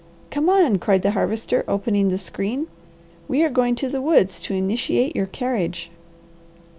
"Come on!" cried the Harvester opening the screen. "We are going to the woods to initiate your carriage."